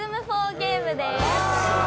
ゲームです。